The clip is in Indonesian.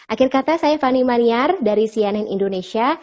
akhir kata saya fani maniar dari cnn indonesia